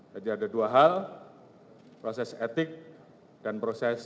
jadi ada dua hal proses etik dan proses